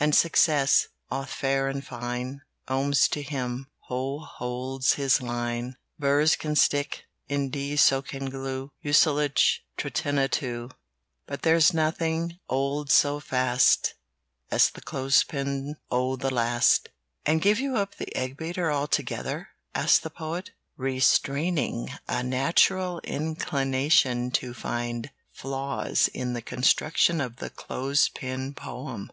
"And success, Both fair and fine, Comes to him Who holds his line. "Burrs can stick And so can glue Mucilage, Stratena, too; "But there's nothing Holds so fast As the clothes pin To the last." "And you gave up the egg beater altogether?" asked the Poet, restraining a natural inclination to find flaws in the construction of the clothes pin poem.